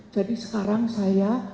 jadi sekarang saya